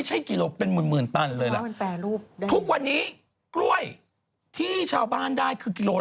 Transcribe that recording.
จะได้ในราคา๘๑๐บาทต่อกิโล